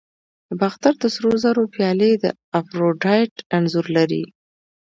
د باختر د سرو زرو پیالې د افروډایټ انځور لري